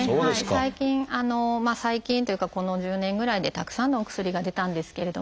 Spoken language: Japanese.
最近最近というかこの１０年ぐらいでたくさんのお薬が出たんですけれども。